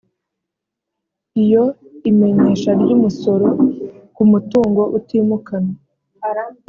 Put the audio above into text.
iyo imenyesha ry umusoro ku mutungo utimukanwa